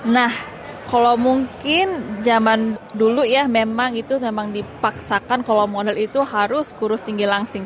nah kalau mungkin zaman dulu ya memang itu memang dipaksakan kalau model itu harus kurus tinggi langsing